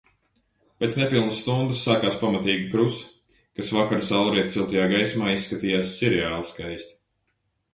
Pēc nepilnas stundas sākās pamatīga krusa, kas vakara saulrieta siltajā gaismā izskatījās sirreāli skaisti.